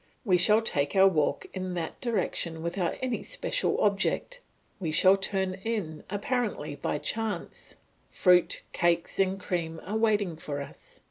We shall take our walk in that direction without any special object, we shall turn in apparently by chance; fruit, cakes, and cream are waiting for us.